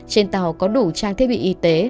trên tàu có đủ trang thiết bị y tế